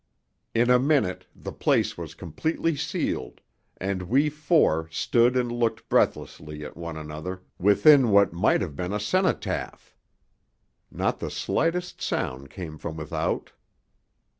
In a minute the place was completely sealed, and we four stood and looked breathlessly at one another within what might have been a cenotaph. Not the slightest sound came from without.